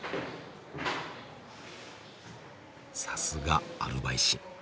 さすがアルバイシン。